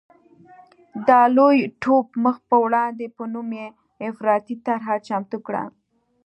د لوی ټوپ مخ په وړاندې په نوم یې افراطي طرحه چمتو کړه.